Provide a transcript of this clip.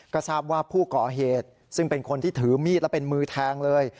ก็ทราบว่าผู้ก่อเหตุซึ่งเป็นคนที่ถือมีดและเป็นมือแทงเลย